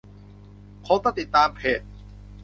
คงต้องติดตามเพจ